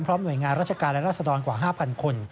หน่วยงานราชการและราศดรกว่า๕๐๐คน